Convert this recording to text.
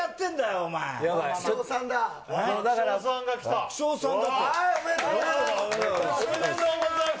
おめでとうございます。